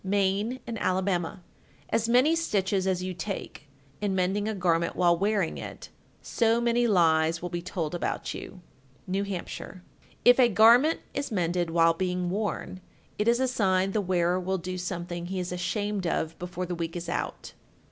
Maine and Alabama. 1377. As many stitches as you take (in mending a garment while wearing it), so many lies will be told about you. New Hampshire. 1378. If a garment is mended while being worn, it is a sign the wearer will do something he is ashamed of before the week is out.